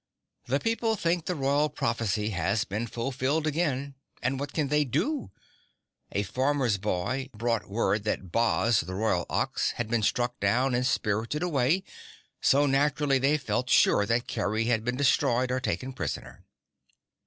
"The people think the Royal Prophecy has been fulfilled again and what can they DO? A farmer's boy brought word that Boz, the Royal Ox, had been struck down and spirited away, so naturally they felt sure that Kerry also had been destroyed or taken prisoner."